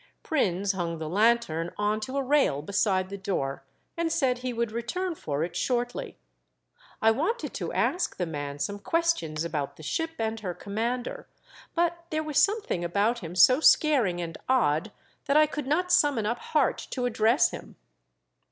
Prins hung the lanthorn on to a rail beside the door, and said he would return for it shortly. I wanted to ask the man some questions about the ship and her commander, but there was something about him so scaring and odd that i could not summon up heart to address him.